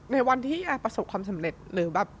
ในวันที่แอประสบความสำเร็จ